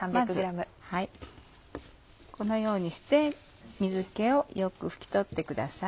まずこのようにして水気をよく拭き取ってください。